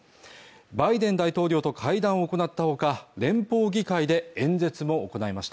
バイデン大統領と会談を行ったほか連邦議会で演説を行いました